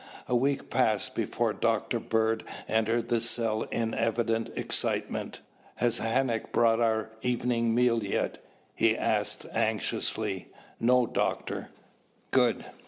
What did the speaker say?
A week passed before Dr. Bird entered the cell in evident excitement. "Has Hanac brought our evening food yet?" he asked anxiously. "No, Doctor." "Good.